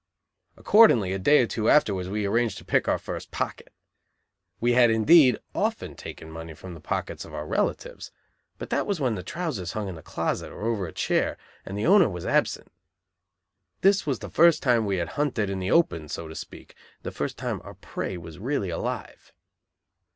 Accordingly a day or two afterwards we arranged to pick our first pocket. We had, indeed, often taken money from the pockets of our relatives, but that was when the trousers hung in the closet or over a chair, and the owner was absent. This was the first time we had hunted in the open, so to speak; the first time our prey was really alive.